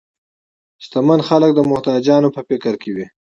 شتمن خلک تل د محتاجو په فکر کې وي.